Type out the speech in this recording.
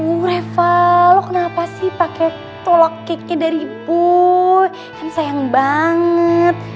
uh reva lo kenapa sih pakai tolak keknya dari boy kan sayang banget